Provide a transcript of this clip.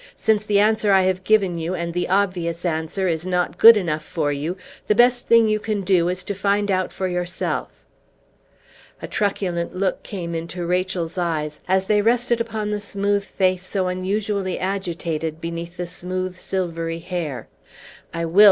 "Since the answer I have given you, and the obvious answer, is not good enough for you, the best thing you can do is to find out for yourself." A truculent look came into Rachel's eyes, as they rested upon the smooth face so unusually agitated beneath the smooth silvery hair. "I will!"